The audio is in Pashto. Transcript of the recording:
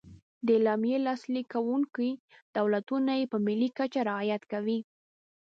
د اعلامیې لاسلیک کوونکي دولتونه یې په ملي کچه رعایت کوي.